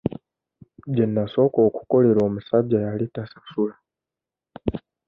Gye nnasooka okukolera omusajja yali tasasula.